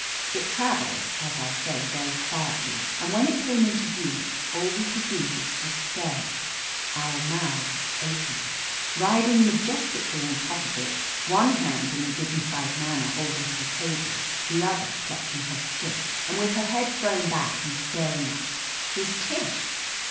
It travels, as I say, very quietly, and when it came into view, all we could do was to stare, our mouths opea 182 OF LETITIA CARBERRY Riding majestically on top of it, one hand in a dignified manner holding to the cable, the other clutching her stick, and with her head thrown back and staring up, was Tish!